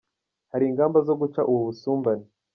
Hari ingamba zo guca ubu busumbane.